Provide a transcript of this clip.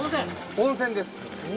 温泉です！